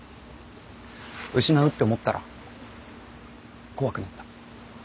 失うって思ったら怖くなった。